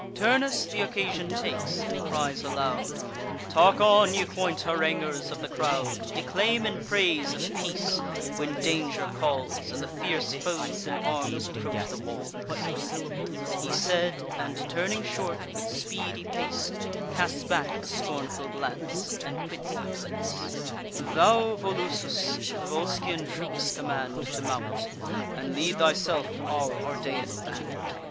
Turnus th' occasion takes, and cries aloud: "Talk on, ye quaint haranguers of the crowd: Declaim in praise of peace, when danger calls, And the fierce foes in arms approach the walls." He said, and, turning short, with speedy pace, Casts back a scornful glance, and quits the place: "Thou, Volusus, the Volscian troops command To mount; and lead thyself our Ardean band.